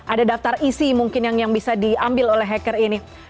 ada daftar isi mungkin yang bisa diambil oleh hacker ini